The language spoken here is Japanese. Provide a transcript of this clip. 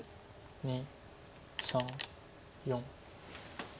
２３４。